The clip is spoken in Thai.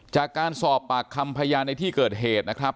จากการสอบปากคำพยานในที่เกิดเหตุนะครับ